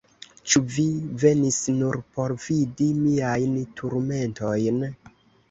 Ĉu vi venis nur por vidi miajn turmentojn?